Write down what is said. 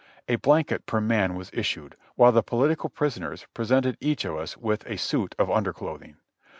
A blanket per man was issued, while the political prisoners presented each of us with a suit of underclothing.